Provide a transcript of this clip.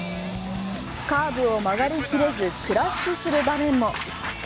カーブを曲がりきれずクラッシュする場面も。